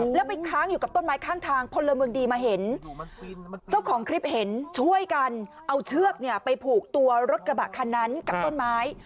แล้วไปค้างอยู่กับต้นไม้ข้างทางพลเมืองดีมาเห็นเจ้าของคลิปเห็นช่วยกันเอาเชือกไปผูกตัวรถกระบะคันนั้นกับต้นไม้